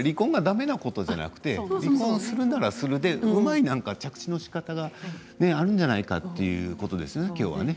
離婚が悪いことではなくて離婚するならするでうまい着地のしかたがあるんじゃないかということですよね。